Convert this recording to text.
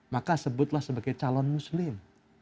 maka sebutlah sebagai calon muslim